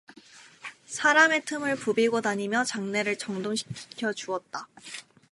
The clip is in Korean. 사람의 틈을 부비고 다니며 장내를 정돈시켜 주었다.